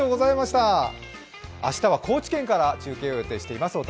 明日は高知県から中継を予定しています。